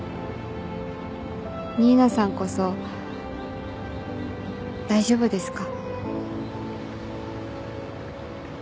新名さんこそ大丈夫ですか？